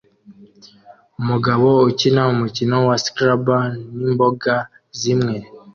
Umugabo ukina umukino wa Scrabble n'imboga zimwe